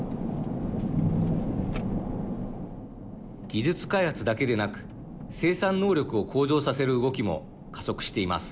技術開発だけでなく生産能力を向上させる動きも加速しています。